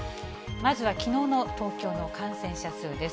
まずはきのうの東京の感染者数です。